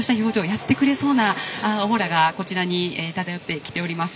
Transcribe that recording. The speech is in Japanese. やってくれそうなオーラが漂ってきております。